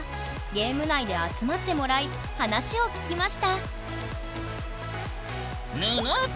ゲーム内で集まってもらい話を聞きましたぬぬっ！